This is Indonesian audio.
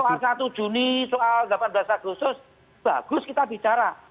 soal satu juni soal delapan belas agustus bagus kita bicara